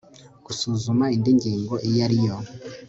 gusuzuma indi ngingo iyo ari yo